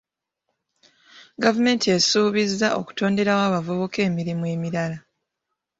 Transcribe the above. Gavumenti esuubizza okutonderawo abavubuka emirimu emirala.